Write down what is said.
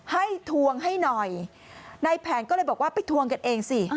ทวงให้หน่อยในแผนก็เลยบอกว่าไปทวงกันเองสิ